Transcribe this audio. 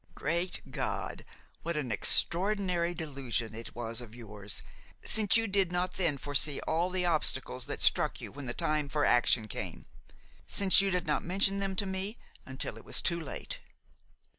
Great God! what an extraordinary delusion it was of yours, since you did not then foresee all the obstacles that struck you when the time for action came! since you did not mention them to me until it was too late!